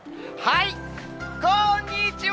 こんにちは。